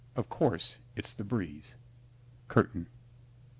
Of course, it's the breeze. (Curtain.)